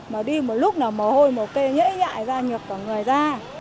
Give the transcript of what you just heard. mà đi một lúc là mồ hôi một cây nhễ nhại ra nhược cả người ra